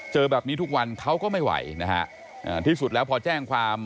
เจอแบบนี้ทุกวันเขาก็ไม่ไหวนะฮะที่สุดแล้วพอแจ้งความ